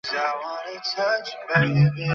চল, এখনই বেরিয়ে পড়ি।